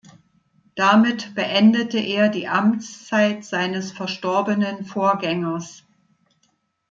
Damit beendete er die Amtszeit seines verstorbenen Vorgängers.